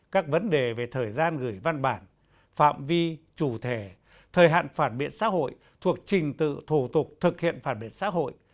các vấn đề về thời gian gửi văn bản phạm vi chủ thể thời hạn phản biện xã hội thuộc trình tự thủ tục thực hiện phản biện xã hội